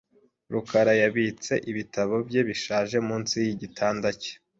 rukara yabitse ibitabo bye bishaje munsi yigitanda cye .